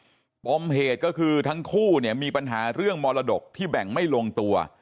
ปมเหตุก็คือทั้งคู่เนี่ยมีปัญหาเรื่องมรดกที่แบ่งไม่ลงตัว